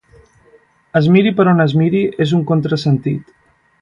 Es miri per on es miri, és un contrasentit.